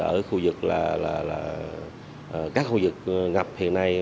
ở các khu vực ngập hiện nay